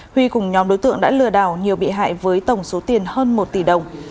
huy cùng nhóm đối tượng đã lừa đảo nhiều bị hại với tổng số tiền hơn một tỷ đồng